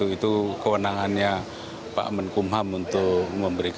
itu kewenangannya pak menkumham